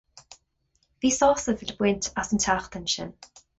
Bhí sásamh le baint as an tseachtain sin.